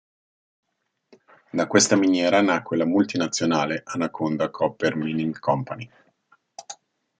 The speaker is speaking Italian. Da questa miniera nacque la multinazionale "Anaconda Copper Mining Company".